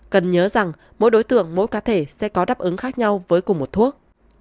cần nhớ rằng mỗi đối tượng mỗi cá thể sẽ có đáp ứng khác nhau với cùng một thuốc